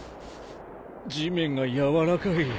地面が軟らかい。